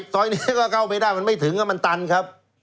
ซอยนี้ก็เข้าไปได้มันไม่ถึงมันตันครับ